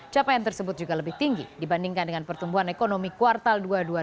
capaian tersebut juga lebih tinggi dibandingkan dengan pertumbuhan ekonomi kuartal dua dua ribu dua puluh